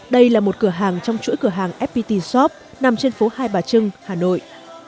đây là một cửa hàng trong chuỗi cửa hàng fpt shop nằm trên phố hai bà trưng hà nội